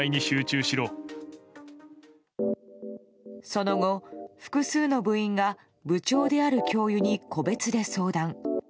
その後、複数の部員が部長である教諭に個別で相談。